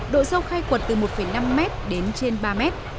độ sâu khai cuộc từ một năm m đến trên ba m